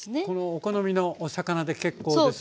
お好みのお魚で結構です。